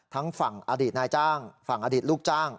ทั้งฝั่งอดีตนายจ้างฝั่งอดีตลูกจ้าง